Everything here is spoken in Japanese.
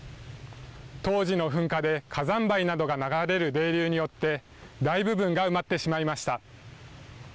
当時の噴火で火山灰などが流れる泥流によって、大部分が埋まってしまいました。